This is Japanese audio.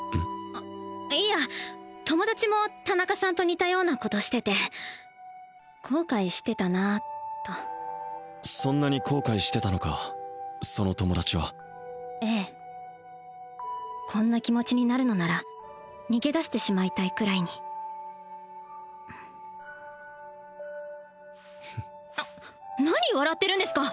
あいや友達も田中さんと似たようなことしてて後悔してたなとそんなに後悔してたのかその友達はええこんな気持ちになるのなら逃げだしてしまいたいくらいにフッな何笑ってるんですか！